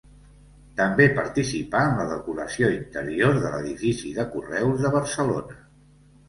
També participà en la decoració interior de l'edifici de Correus de Barcelona.